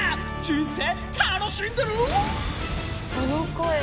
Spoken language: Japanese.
人生楽しんでる⁉その声